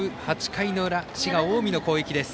８回の裏滋賀・近江の攻撃です。